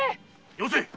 よせ！